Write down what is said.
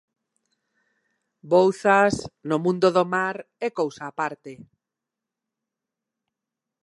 Bouzas, no mundo do mar, é cousa aparte.